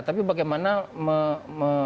tapi bagaimana mengayomi